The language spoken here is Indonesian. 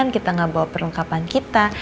ini kita bawa perlengkapan kita